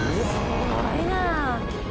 すごいな。